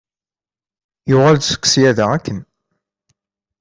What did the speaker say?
Yuɣal-d seg ssyada akken.